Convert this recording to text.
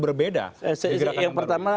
berbeda yang pertama